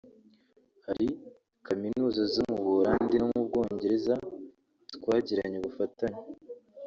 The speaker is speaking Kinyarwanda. Hari Kaminuza zo mu Buholandi no mu Bwongereza twagiranye ubufatanye